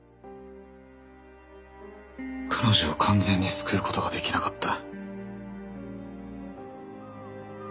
彼女を完全に救うことができなかった。